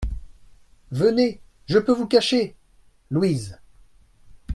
Venez ! je peux vous cacher ! LOUISE.